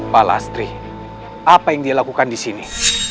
pak lastri apa yang dia lakukan di sini